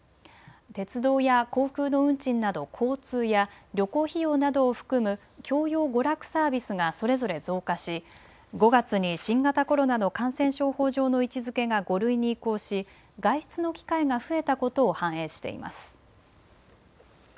鉄道や航空の運賃など交通や旅行費用などを含む教養娯楽サービスがそれぞれ増加し５月に新型コロナの感染症法上の位置づけが５類に移行し外出の機会が増えたことを反映しています。